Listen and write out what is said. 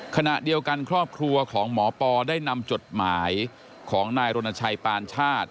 ขณะเดียวกันครอบครัวของหมอปอได้นำจดหมายของนายรณชัยปานชาติ